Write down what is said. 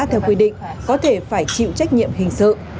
theo quy định có thể phải chịu trách nhiệm hình sự